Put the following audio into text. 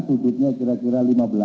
sudutnya kira kira lima belas